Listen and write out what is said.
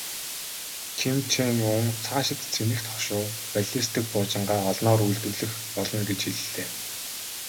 Ким Чен Ун цаашид цэнэгт хошуу, баллистик пуужингаа олноор үйлдвэрлэх болно гэж хэллээ.